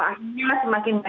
jadi ya akhirnya semakin banyak